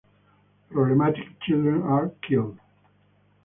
Problematic children are killed.